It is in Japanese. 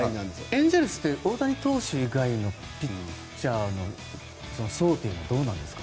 エンゼルスって大谷投手以外のピッチャーの層というのはどうなんですか。